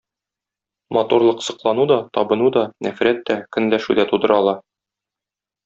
Матурлык соклану да, табыну да, нәфрәт тә, көнләшү дә тудыра ала.